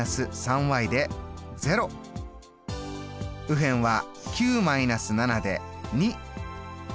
右辺は９−７で２。